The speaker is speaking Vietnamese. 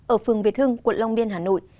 ở phường việt hưng quận long biên hà nội